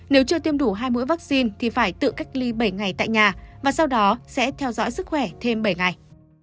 nếu chưa tiêm đủ hai mũi vaccine thì phải tự cách ly bảy ngày tại nhà và sau đó sẽ theo dõi sức khỏe thêm bảy ngày